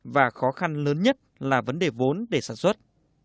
và khó khăn lớn nhất là vấn đề vốn để sản xuất